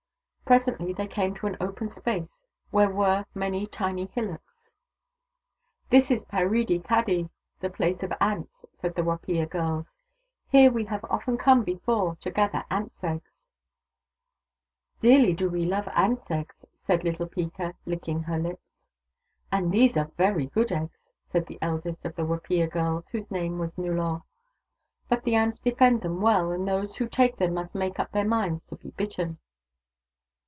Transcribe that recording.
Presently they came to an open space where were many tiny hillocks. THE DAUGHTERS OF WONKAWALA 173 " This is Paridi Kadi, the place of ants," said the Wapiya girls. " Here we have often come before, to gather ants' eggs." " Dearly do we love ants' eggs," said little Peeka, licking her lips. " And these are very good eggs," said the eldest of the Wapiya girls, whose name was Nullor. " But the ants defend them well, and those who take them must make up their minds to be bitten."